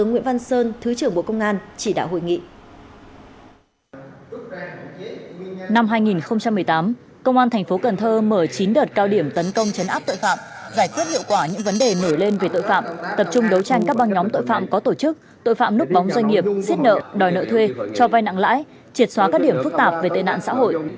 năm hai nghìn một mươi tám công an thành phố cần thơ mở chín đợt cao điểm tấn công chấn áp tội phạm giải quyết hiệu quả những vấn đề nổi lên về tội phạm tập trung đấu tranh các băng nhóm tội phạm có tổ chức tội phạm núp bóng doanh nghiệp xiết nợ đòi nợ thuê cho vai nặng lãi triệt xóa các điểm phức tạp về tệ nạn xã hội